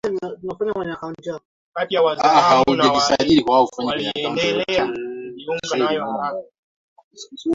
baada ya kuigalagaza timu ya taifa ya brazil